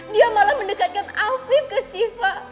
dia malah mendekatkan alvif ke shiva